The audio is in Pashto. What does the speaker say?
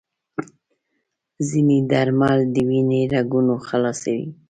ځینې درمل د وینې رګونه خلاصوي.